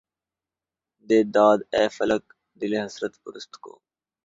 دے داد اے فلک! دلِ حسرت پرست کو